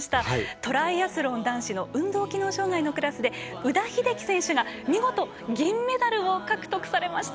トライアスロン男子運動機能障がいのクラスで宇田秀生選手が見事、銀メダルを獲得されました。